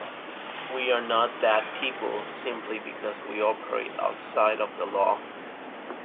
We are not bad people simply because we operate outside of the law.